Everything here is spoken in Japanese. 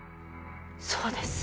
そうです